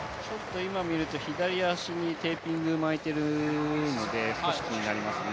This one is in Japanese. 今見ると、左足にテーピングを巻いているので少し気になりますね。